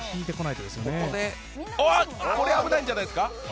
これ危ないんじゃないですか！？